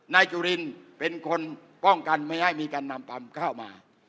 นายจุลินเป็นคนป้องกันไม่ให้มีการนำความก้าวมา